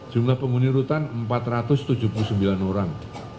jumlah penghuni rutan empat ratus tujuh puluh sembilan orang